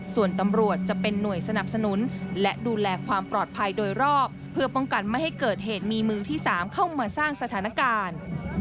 ส่วนตำรวจจะเป็นหน่วยสนับสนุนและดูแลความปลอดภัยโดยรอบเพื่อป้องกันไม่ให้เกิดเหตุมีมือที่๓เข้ามาสร้างสถานการณ์